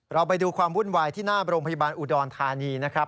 เราไปดูความวุ่นวายที่หน้าโรงพยาบาลอุดรธานีนะครับ